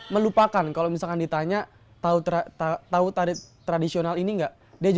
melupakan kalau misalkan ditanya tahu tari tradisional ini nggak